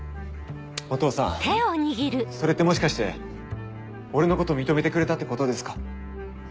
お父さんそれってもしかして俺のこと認めてくれたってことですか？